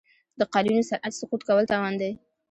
د قالینو صنعت سقوط کول تاوان دی.